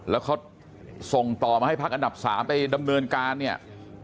แล้วเขาส่งต่อมาให้พักอันดับ๓ไปดำเนินการเนี่ย